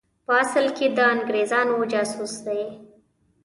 په اصل کې د انګرېزانو جاسوس دی.